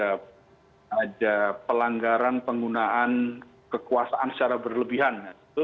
abuse of power ada pelanggaran penggunaan kekuasaan secara berlebihan